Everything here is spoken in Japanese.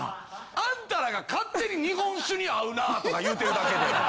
あんたらが勝手に日本酒に合うなぁとか言うてるだけで。